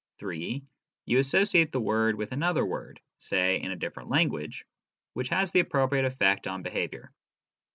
(3) You associate the word with another word (say in a different language) which has the appropriate effect on behaviour.